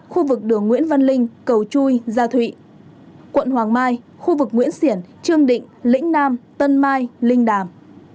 khu vực đường nguyễn văn linh cầu chui gia thụy quận hoàng mai khu vực nguyễn xiển trương định lĩnh nam tân mai linh đàm